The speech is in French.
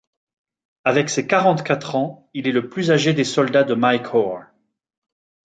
Avec ses quarante-quatre ans, il est le plus âgé des soldats de Mike Hoare.